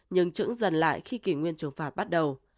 nhưng trứng dần lại khi kỷ nguyên trừng phạt bắt đầu